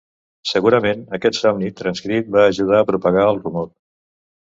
Segurament aquest somni transcrit va ajudar a propagar el rumor.